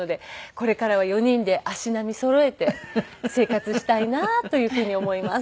これからは４人で足並みそろえて生活したいなというふうに思います。